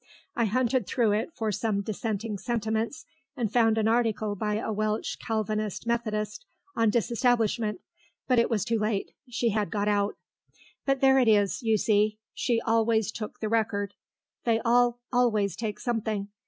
I hunted through it for some Dissenting sentiments, and found an article by a Welsh Calvinistic Methodist on Disestablishment, but it was too late; she had got out. But there it is, you see; she always took the Record. They all always take something.